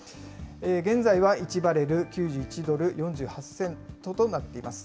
現在は１バレル９１ドル４８セントとなっています。